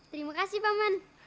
terima kasih paman